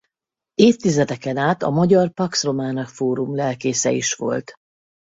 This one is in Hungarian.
Évtizedeken át a Magyar Pax Romana Fórum lelkésze is volt.